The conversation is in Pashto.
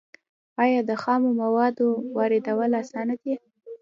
آیا د خامو موادو واردول اسانه دي؟